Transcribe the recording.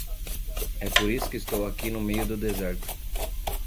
É por isso que estou aqui no meio do deserto.